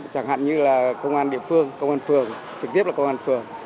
chẳng hạn như là công an địa phương công an phường trực tiếp là công an phường